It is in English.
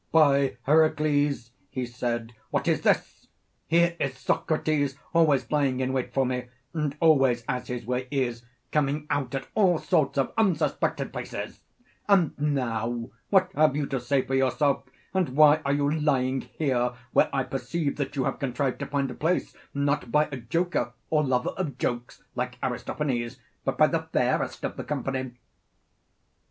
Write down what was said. By Heracles, he said, what is this? here is Socrates always lying in wait for me, and always, as his way is, coming out at all sorts of unsuspected places: and now, what have you to say for yourself, and why are you lying here, where I perceive that you have contrived to find a place, not by a joker or lover of jokes, like Aristophanes, but by the fairest of the company?